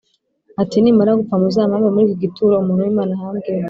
ati “Nimara gupfa, muzampambe muri iki gituro umuntu w’Imana ahambwemo